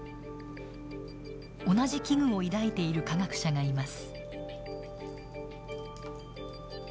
同じ危惧を抱いている科学者がいます。